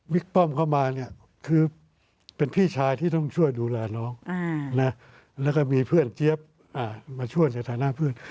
ป้อมเข้ามาเนี่ยคือเป็นพี่ชายที่ต้องช่วยดูแลน้องแล้วก็มีเพื่อนเจี๊ยบมาช่วยในฐานะเพื่อน